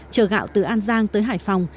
chờ gạo từ an giang tới hải phòng